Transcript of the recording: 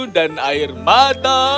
dan air mata